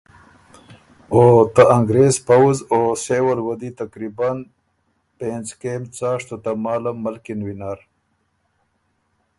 که ته انګرېز پؤځ او سېول وه دی تقریباً پېنځ کېم څاشتو تماله ملکِن وینر،